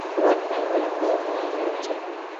আমার নাম ব্যারি এবং আমি একজন মাদকাসক্ত।